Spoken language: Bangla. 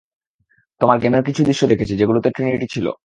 তোমার গেমের কিছু দৃশ্য দেখেছি, যেগুলোতে ট্রিনিটি ছিল।